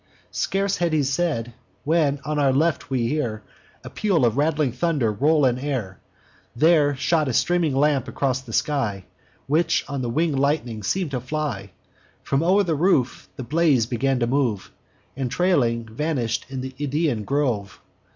Scarce had he said, when, on our left, we hear A peal of rattling thunder roll in air: There shot a streaming lamp along the sky, Which on the winged lightning seem'd to fly; From o'er the roof the blaze began to move, And, trailing, vanish'd in th' Idaean grove.